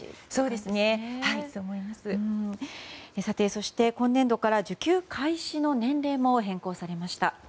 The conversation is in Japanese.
そして今年度から受給開始の年齢も変更されました。